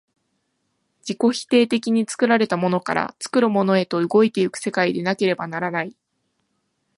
自己否定的に作られたものから作るものへと動いて行く世界でなければならない。